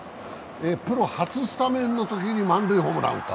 プロ初スタメンのときに満塁ホームランを打った。